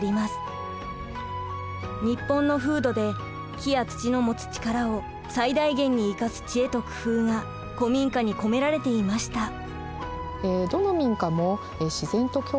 日本の風土で木や土の持つ力を最大限に生かす知恵と工夫が古民家に込められていました。